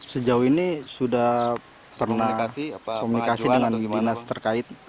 sejauh ini sudah pernah komunikasi dengan gimana terkait